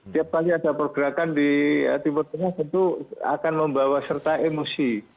tiap kali ada pergerakan di timur tengah tentu akan membawa serta emosi